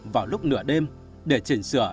vào lúc nửa đêm để chỉnh sửa